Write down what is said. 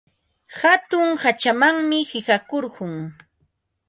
Hatun hachamanmi qiqakurqun.